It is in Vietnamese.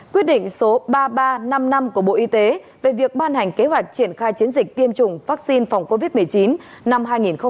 quyết định số ba nghìn ba trăm năm mươi năm của bộ y tế về việc ban hành kế hoạch triển khai chiến dịch tiêm chủng vaccine phòng covid một mươi chín năm hai nghìn hai mươi một hai nghìn hai mươi hai